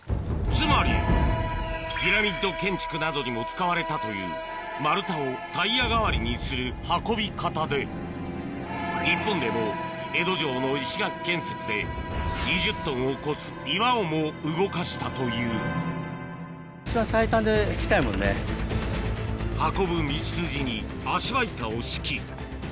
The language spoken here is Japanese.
つまりピラミッド建築などにも使われたという丸太をタイヤ代わりにする運び方で日本でも江戸城の石垣建設で２０ｔを超す岩をも動かしたという運ぶ道筋に足場板を敷き